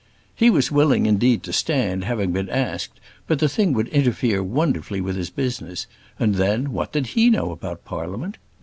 "He was willing, indeed, to stand, having been asked; but the thing would interfere wonderfully with his business; and then, what did he know about Parliament?